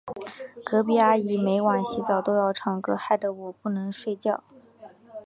隔壁阿姨每晚洗澡都要唱歌，害得我不能睡觉。